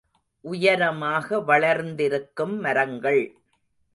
உயரமாக வளர்ந்திருக்கும் மரங்கள்.